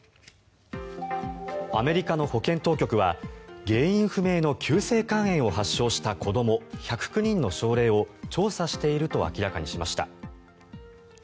アメリカの保健当局は原因不明の急性肝炎を発症した子ども１０９人の症例を調査していると明らかにしました。